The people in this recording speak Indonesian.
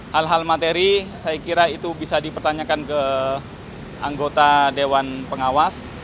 hal hal materi saya kira itu bisa dipertanyakan ke anggota dewan pengawas